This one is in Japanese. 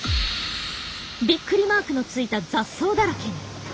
ビックリマークのついた雑草だらけに。